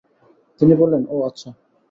তিনি বললেন, ও আচ্ছা।